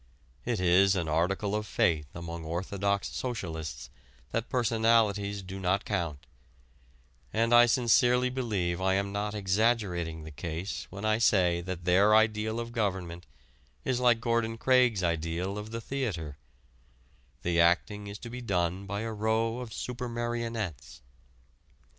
It is an article of faith among orthodox socialists that personalities do not count, and I sincerely believe I am not exaggerating the case when I say that their ideal of government is like Gordon Craig's ideal of the theater the acting is to be done by a row of supermarionettes.